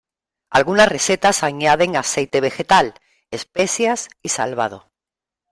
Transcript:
Algunas recetas añaden aceite vegetal, especias y salvado.